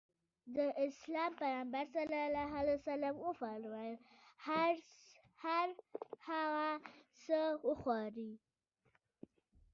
د اسلام پيغمبر ص وفرمايل هر هغه څه وخورې.